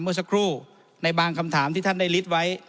เมื่อสักครู่ในบางคำถามที่ท่านได้ฤทธิ์ไว้